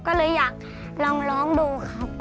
ก็เลยอยากลองร้องดูครับ